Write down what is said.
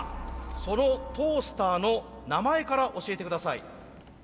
そのトースターの名前から教えて下さい。